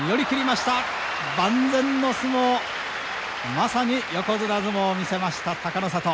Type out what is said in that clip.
まさに横綱相撲を見せました隆の里。